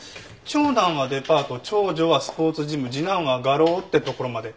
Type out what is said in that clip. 長男はデパート長女はスポーツジム次男は画廊をってところまで。